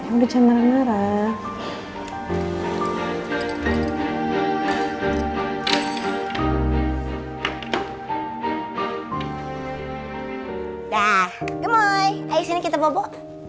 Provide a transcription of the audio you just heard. udah udah gemoy gemoy sini kita bobo